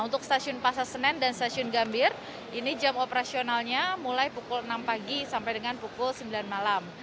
untuk stasiun pasar senen dan stasiun gambir ini jam operasionalnya mulai pukul enam pagi sampai dengan pukul sembilan malam